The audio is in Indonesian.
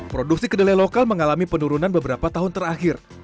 produksi kedelai lokal mengalami penurunan beberapa tahun terakhir